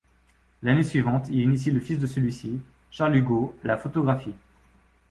L'année suivante, il initie le fils de celui-ci, Charles Hugo, à la photographie.